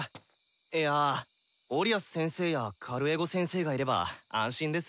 いやあオリアス先生やカルエゴ先生がいれば安心ですよ。